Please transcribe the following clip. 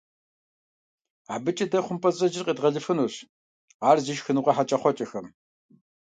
АбыкӀэ дэ хъумпӀэцӀэджхэр къедгъэлыфынущ ар зи шхыныгъуэ хьэкӀэкхъуэкӀэхэм.